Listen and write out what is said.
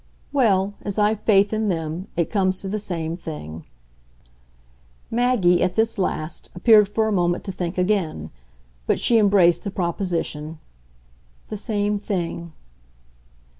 "Well, as I've faith in THEM, it comes to the same thing." Maggie, at this last, appeared for a moment to think again; but she embraced the proposition. "The same thing."